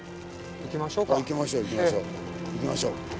行きましょう！